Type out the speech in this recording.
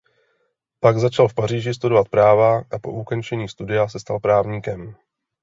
Pak začal v Paříži studovat právo a po ukončení studia se stal právníkem.